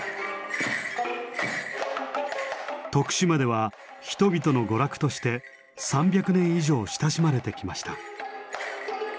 徳島では人々の娯楽として３００年以上親しまれてきました。